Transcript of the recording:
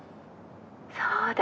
そうだ。